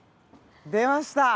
出ました。